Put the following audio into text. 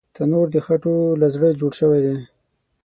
تنور د خټو له زړه جوړ شوی وي